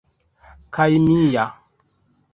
kaj mia